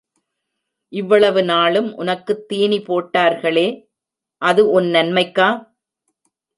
இவ்வளவு நாளும் உனக்குத் தீனி போட்டார்களே, அது உன் நன்மைக்கா?